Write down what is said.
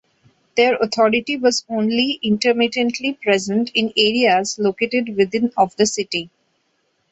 Their authority was only intermittently present in areas located within of the city.